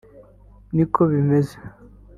niko bimeze [